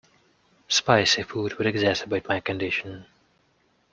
Spicy food would exacerbate my condition.